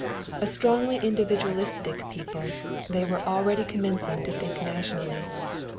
A strongly individualistic people, they were already commencing to think nationally.